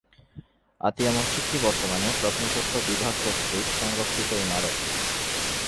আতিয়া মসজিদটি বর্তমানে প্রত্নতত্ত্ব বিভাগ কর্তৃক সংরক্ষিত ইমারত।